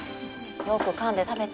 よくかんで食べて。